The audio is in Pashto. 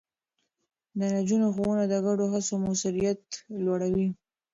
د نجونو ښوونه د ګډو هڅو موثريت لوړوي.